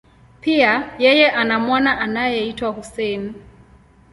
Pia, yeye ana mwana anayeitwa Hussein.